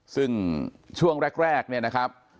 ซึ่งช่วงแรกเนี่ยนะครับ